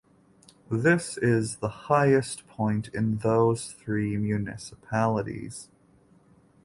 This is the highest point in those three municipalities.